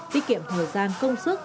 tiết kiệm thời gian công sức